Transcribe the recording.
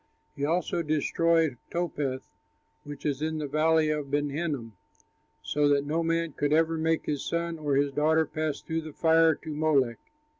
He also destroyed Topheth, which is in the valley of Ben Hinnom, so that no man could ever make his son or his daughter pass through the fire to Molech.